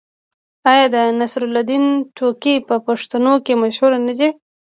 آیا د نصرالدین ټوکې په پښتنو کې مشهورې نه دي؟